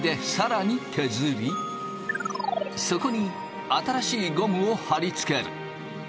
そこに新しいゴムを貼り付ける。